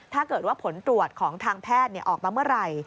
ถ้าเกิดว่าผลตรวจของทางแพทย์ออกมาเมื่อไหร่